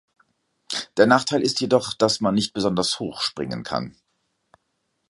Der Nachteil ist jedoch, dass man nicht besonders hoch springen kann.